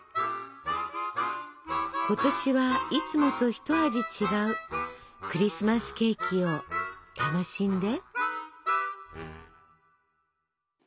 今年はいつもと一味違うクリスマスケーキを楽しんで。